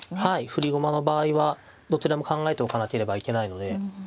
振り駒の場合はどちらも考えておかなければいけないので。